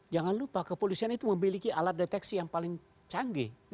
jangan lupa kepolisian itu memiliki alat deteksi yang paling canggih